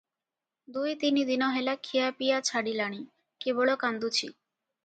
ଦୁଇ ତିନି ଦିନ ହେଲା ଖିଆପିଆ ଛାଡିଲାଣି, କେବଳ କାନ୍ଦୁଛି ।